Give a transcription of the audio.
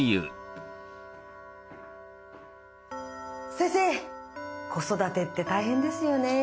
先生子育てって大変ですよね。